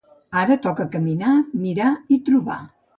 Ara toca caminar, mirar, i trobar.